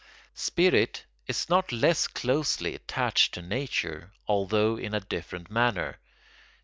Spirit is not less closely attached to nature, although in a different manner.